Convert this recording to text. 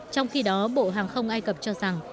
trong khi đó bộ hàng không ai cập cho rằng